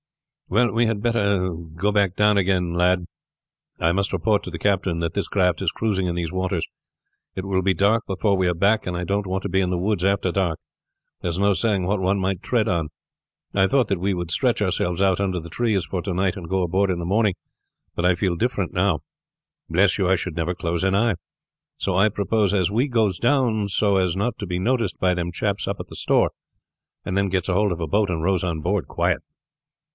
Well, we had better go down again, lad. I must report to the captain that this craft is cruising in these waters. It will be dark before we are back, and I don't want to be in the woods after dark; there's no saying what one might tread on. I thought that we would stretch ourselves out under the trees for to night and go aboard in the morning, but I feel different now. Bless you, I should never close an eye. So I propose as we goes down so as not to be noticed by them chaps up at the store, and then gets hold of a boat and rows on board quiet."